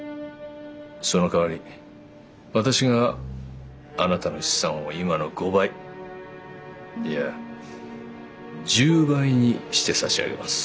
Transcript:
そのかわり私があなたの資産を今の５倍いや１０倍にして差し上げます。